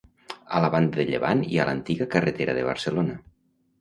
A la banda de llevant, hi ha l'antiga carretera de Barcelona.